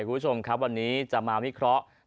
คุณผู้ชมครับวันนี้จะมาวิเคราะห์